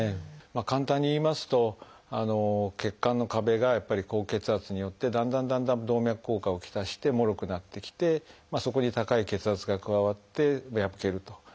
簡単に言いますと血管の壁が高血圧によってだんだんだんだん動脈硬化を来してもろくなってきてそこに高い血圧が加わって破けるということで。